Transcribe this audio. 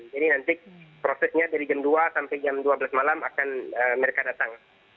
jadi nanti prosesnya dari jam dua sampai jam dua belas malam akan mereka datang